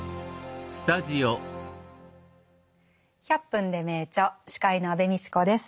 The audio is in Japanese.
「１００分ｄｅ名著」司会の安部みちこです。